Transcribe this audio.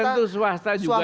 belum tentu swasta juga itu